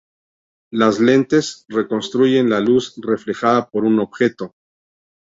Las lentes reconstruyen la luz reflejada por un objeto.